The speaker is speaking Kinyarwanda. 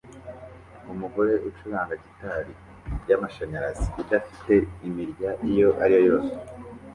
Umugore ucuranga gitari yamashanyarazi idafite imirya iyo ari yo yose